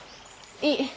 いい。